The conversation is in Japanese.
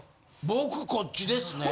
僕こっちですね。